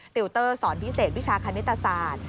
ติวเตอร์สอนพิเศษวิชาคณิตศาสตร์